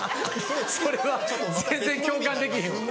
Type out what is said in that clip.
それは全然共感できへん。